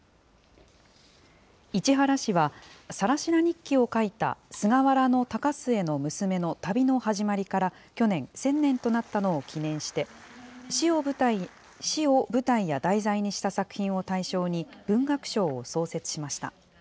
市原市は、更級日記を書いた菅原孝標女の旅の始まりから去年、１０００年となったのを記念して、市を舞台や題材にした作品を対象に、文学賞を創設しました。